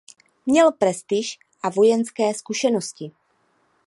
Měl prestiž a vojenské zkušenosti.